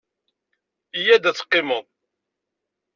Yya-d ad teqqimeḍ.